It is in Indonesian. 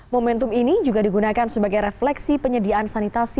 momentum ini juga digunakan sebagai refleksi penyediaan sanitasi